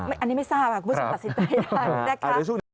อันนี้ไม่ทราบคุณผู้ชมตัดสินใจได้นะคะ